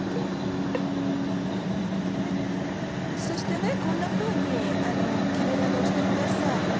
そしてこんなふうに木べらで押してください。